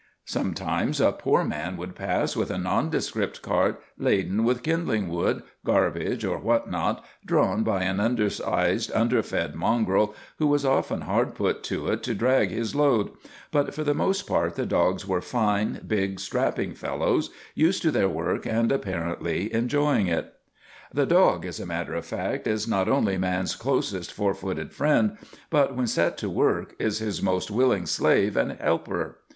Sometimes a poor man would pass with a nondescript cart laden with kindling wood, garbage, or what not, drawn by an undersized, underfed mongrel who was often hard put to it to drag his load, but for the most part the dogs were fine, big, strapping fellows used to their work, and apparently enjoying it. The dog, as a matter of fact, is not only man's closest four footed friend, but when set to work is his most willing slave and helper.